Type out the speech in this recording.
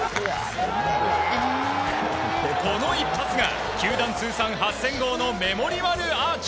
この一発が球団通算８０００号のメモリアルアーチ！